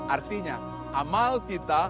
artinya amal kita